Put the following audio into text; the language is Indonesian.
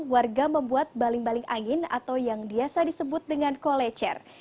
warga membuat baling baling angin atau yang biasa disebut dengan kolecer